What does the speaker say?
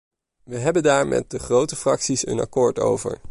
We hebben daar met de grote fracties een akkoord over.